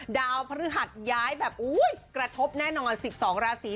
ดาวพฤหัสย้ายแบบกระทบแน่นอน๑๒ราศี